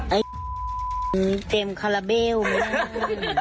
ไอ้เต็มคาราเบลมาก